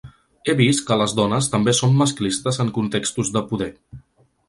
He vist que les dones també som masclistes en contextos de poder.